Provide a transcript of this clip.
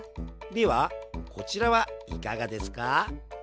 ではこちらはいかがですか？